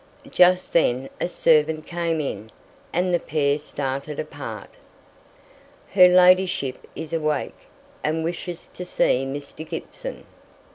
Just then a servant came in, and the pair started apart. "Her ladyship is awake, and wishes to see Mr. Gibson."